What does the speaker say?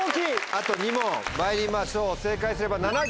あと２問まいりましょう正解すれば。